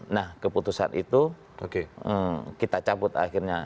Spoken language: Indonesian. nah keputusan itu kita cabut akhirnya